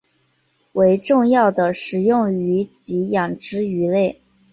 为重要的食用鱼及养殖鱼类。